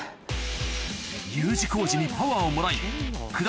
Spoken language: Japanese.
Ｕ字工事にパワーをもらい九團